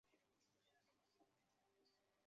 虢州弘农县人。